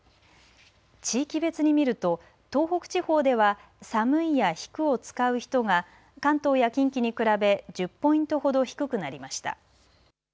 地域別に見ると、東北地方では寒いや引くを使う人が関東や近畿に比べ１０ポイントほど低くなりました。